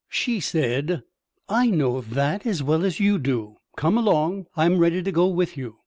'I know that as well as you do. Come along I'm ready to go with you.